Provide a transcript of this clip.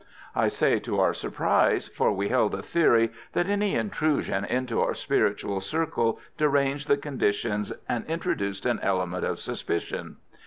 I say to our surprise, for we held a theory that any intrusion into our spiritual circle deranged the conditions, and introduced an element of suspicion.